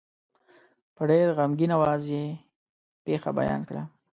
په ډېر غمګین آواز یې پېښه بیان کړه.